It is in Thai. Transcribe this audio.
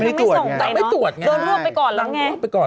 ไม่ส่งแต่ไม่ตรวจยังไม่ตรวจยังไปก่อนแล้วไงไปก่อน